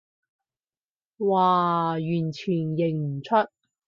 嘩，完全認唔出